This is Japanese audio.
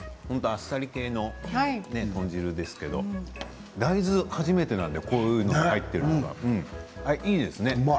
あっさり系の豚汁ですけど大豆、初めてなのでこういうのに入っているのはいいですね。